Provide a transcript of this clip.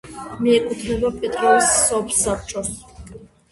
მიეკუთვნება პეტროვის სოფსაბჭოს.